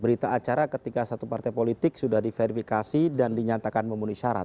berita acara ketika satu partai politik sudah diverifikasi dan dinyatakan memenuhi syarat